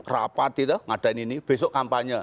rapat itu tidak ada ini besok kampanye